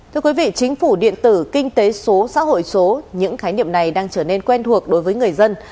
thưa quý vị chính phủ điện tử kinh tế số xã hội số những khái niệm này đang trở nên quen thuộc đối với người dân